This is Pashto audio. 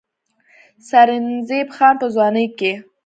سرنزېب خان پۀ ځوانۍ کښې